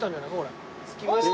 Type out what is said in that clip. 着きました。